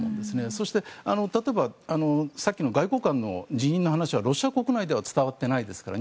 そして、例えばさっきの外交官の辞任の話はロシア国内では伝わっていないですから。